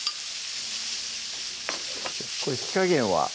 これ火加減は？